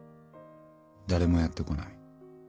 誰もやってこない。